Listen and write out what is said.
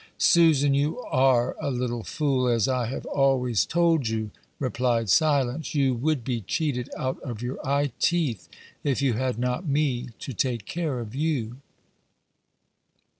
"Susan, you are a little fool, as I have always told you," replied Silence; "you would be cheated out of your eye teeth if you had not me to take care of you."